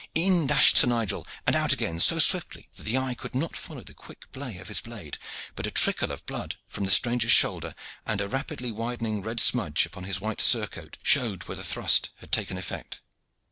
In dashed Sir Nigel, and out again so swiftly that the eye could not follow the quick play of his blade, but a trickle of blood from the stranger's shoulder, and a rapidly widening red smudge upon his white surcoat, showed where the thrust had taken effect.